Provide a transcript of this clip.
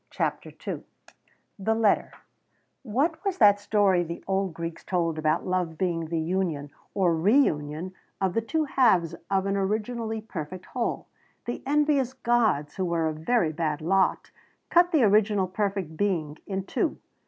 CHAPTER II THE LETTER What was that story the old Greeks told about love being the union or reunion of the two halves of an originally perfect whole? The envious gods who were a very bad lot cut the original perfect being in two.